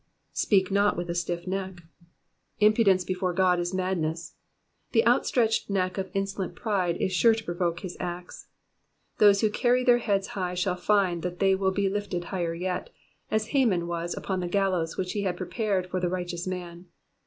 "Speak not with a stiff neck." Impudence before God is madness. The out stretched neck of insolent pride is sure to provoke his axe. Those who carry their heads high shall find that they will be lifted yet higher, 'as Haman was upon the gallows which he had prepared for the righteous man.